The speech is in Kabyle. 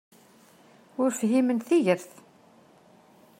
Ur fhimen tigert!